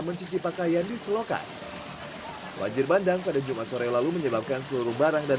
mencuci pakaian di selokan banjir bandang pada jumat sore lalu menyebabkan seluruh barang dan